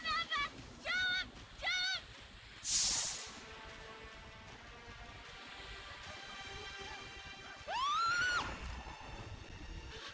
jalan kung jalan se di sini ada pesta besar besaran